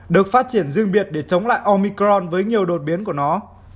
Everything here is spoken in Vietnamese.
được phát triển riêng biệt để chống lại omicron với nhiều đột biến của nó